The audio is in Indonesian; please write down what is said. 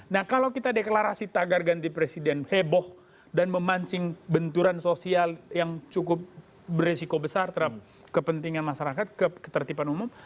nah kalau kita deklarasi tagar ganti presiden heboh dan memancing benturan sosial yang cukup beresiko besar terhadap kepentingan masyarakat ketertiban umum